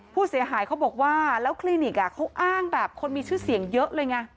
ผู้เสียหายเขาบอกว่าแล้วคลินิกเขาอ้างแบบคนมีชื่อเสียงเยอะเลยไง